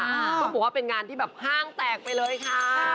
เขาบอกว่าเป็นงานที่แบบห้างแตกไปเลยค่ะ